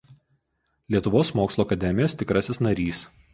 Lietuvos mokslų akademijos tikrasis narys.